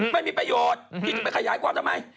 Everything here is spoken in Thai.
ไม่มีประโยชน์ที่จะไปขยายความทำไม